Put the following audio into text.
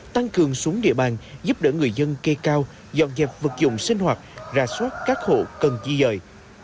tăng cường xuống địa bàn giúp đỡ người dân kê cao dọn dẹp vật dụng sinh hoạt ra soát các hộ cần chi dời